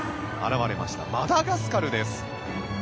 現れました、マダガスカルです。